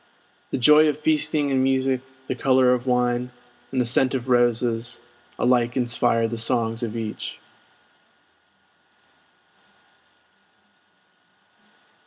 The joy of feasting and music, the color of wine, and the scent of roses, alike inspire the songs of each.